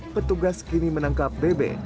petugas kini menangkap bebe